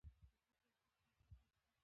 د هېواد جغرافیه کې هندوکش اهمیت لري.